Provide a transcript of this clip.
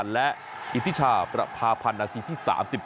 และอิทธิชาประพาพันธ์นาทีที่๓๗